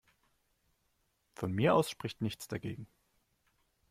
Von mir aus spricht nichts dagegen.